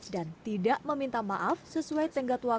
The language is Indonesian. dan tidak meminta maaf sesuai tenggatuan